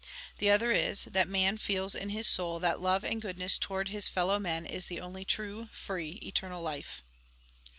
The other is, that man feels in his soul that love and goodness towards his fellow men is the only true, free, eternal life.